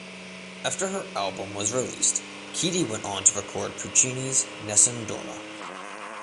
After her album was released, Keedie went on to record Puccini's "Nessun Dorma".